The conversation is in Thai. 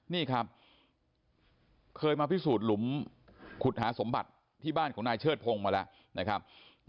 นี่ครับเคยมาพิสูจน์หลุมขุดหาสมบัติที่บ้านของนายเชิดพงศ์มาแล้วนะครับ